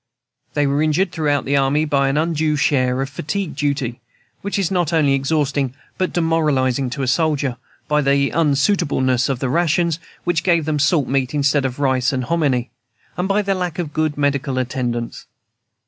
They were injured throughout the army by an undue share of fatigue duty, which is not only exhausting but demoralizing to a soldier; by the un suitableness of the rations, which gave them salt meat instead of rice and hominy; and by the lack of good medical attendance.